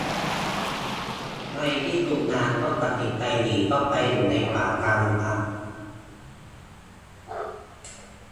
ในที่สุดนางก็ตัดสินใจหนีเข้าไปอยู่ในป่าตามลำพัง